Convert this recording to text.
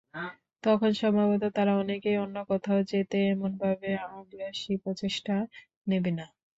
তখন সম্ভবত তারা অনেকেই অন্য কোথাও যেতে এমনভাবে আগ্রাসী প্রচেষ্টা নেবে না।